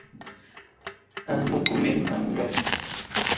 Amo comer manga.